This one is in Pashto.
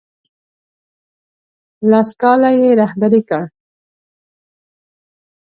لس کاله یې رهبري کړ.